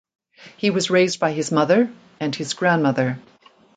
He was raised by his mother and his grandmother.